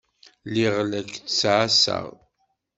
Lliɣ la k-ttɛassaɣ.